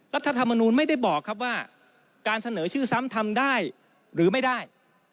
รัฐธรรมนูลไม่ได้บอกครับว่าการเสนอชื่อซ้ำทำได้หรือไม่ได้